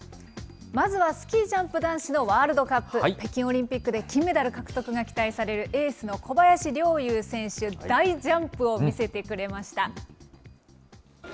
まずはスキージャンプ男子のワールドカップ、北京オリンピックで金メダル獲得が期待される、エースの小林陵侑選手、大ジャンプを見せてくれました。